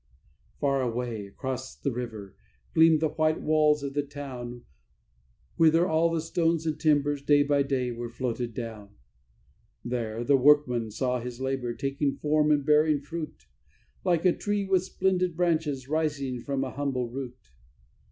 Far away, across the river, gleamed the white walls of the town Whither all the stones and timbers day by day were floated down. There the workman saw his labour taking form and bearing fruit, Like a tree with splendid branches rising from a humble root.